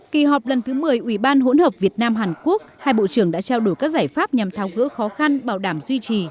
kỳ họp lần thứ một mươi ubhvh hai bộ trưởng đã trao đổi các giải pháp nhằm thao hứa khó khăn bảo đảm duy trì